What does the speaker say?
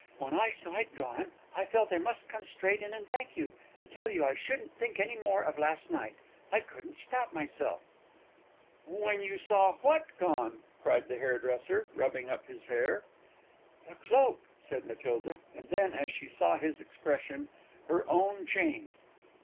When I saw it gone, I felt I must come straight in and thank you, and tell you I shouldn't think any more of last night. I couldn't stop myself." "When you saw what gone?" cried the hairdresser, rubbing up his hair. "The cloak," said Matilda; and then, as she saw his expression, her own changed.